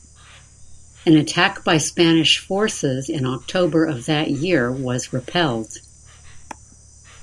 An attack by Spanish forces in October of that year was repelled.